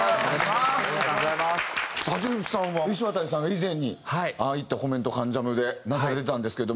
さあ橋口さんはいしわたりさんが以前にああいったコメントを『関ジャム』でなさってたんですけども。